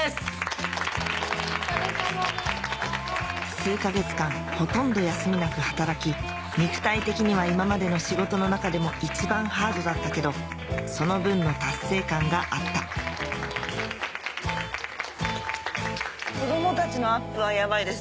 数か月間ほとんど休みなく働き肉体的には今までの仕事の中でも一番ハードだったけどその分の達成感があった子供たちのアップはヤバいです。